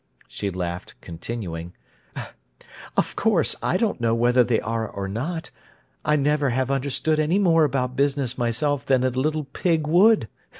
She laughed, continuing, "Of course I don't know whether they are or not: I never have understood any more about business myself than a little pig would!